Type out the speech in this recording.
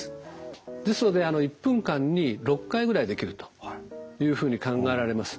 ですので１分間に６回ぐらいできるというふうに考えられます。